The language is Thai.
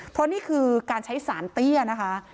เพราะนี่คือการใช้สารเตี้ยนะคะ